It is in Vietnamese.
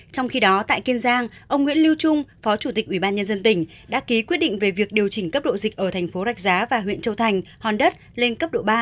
trong khi đó tại kiên giang ông nguyễn lưu trung phó chủ tịch ubnd tỉnh đã ký quyết định về việc điều chỉnh cấp độ dịch ở tp rạch giá và huyện châu thành hòn đất lên cấp độ ba